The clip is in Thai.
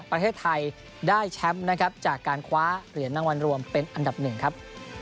ประเทศไทยได้แชมป์นะครับจากการคว้าเหรียญรางวัลรวมเป็นอันดับหนึ่งครับ